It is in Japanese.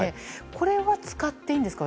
これは使っていいんですか？